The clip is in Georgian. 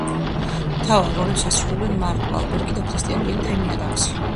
მთავარ როლებს ასრულებენ მარკ ვალბერგი, კრისტიან ბეილი და ემი ადამსი.